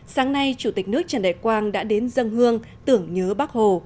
sáng nay chủ tịch nước trần đại quang đã đến dân hương tưởng nhớ bắc hồ